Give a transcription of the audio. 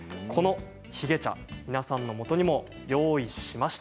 ヒゲ茶、皆さんのもとにも用意しました。